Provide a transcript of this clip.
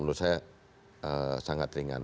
menurut saya sangat ringan